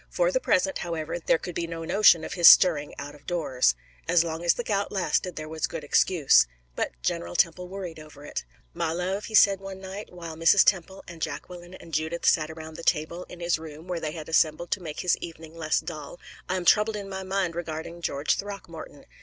For the present, however, there could be no notion of his stirring out of doors. As long as the gout lasted there was a good excuse. But General Temple worried over it. "My love," he said one night, while Mrs. Temple and Jacqueline and Judith sat around the table in his room, where they had assembled to make his evening less dull, "I am troubled in my mind regarding George Throckmorton.